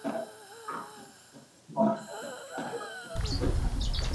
How often do you visit your grandparents in March?